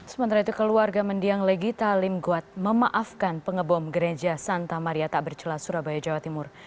sementara itu keluarga mendiang legi talim buat memaafkan pengebom gereja santa maria takbercula surabaya jawa timur